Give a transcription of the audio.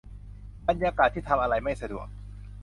บรรยากาศที่ทำอะไรไม่สะดวก